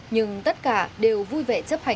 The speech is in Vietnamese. nhưng tất cả đều vui vẻ chấp nhận